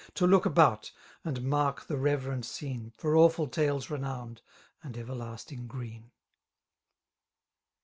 To look about, and mark the reverend 8cene> For awful tales renowned, and everlasting green.